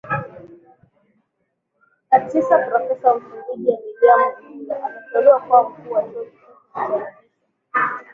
na tisa Profesa wa Msumbiji Emília Nhalevilo aliteuliwa kuwa mkuu wa chuo kikuu kilichoanzishwa